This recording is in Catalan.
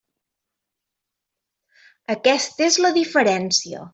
Aquesta és la diferència.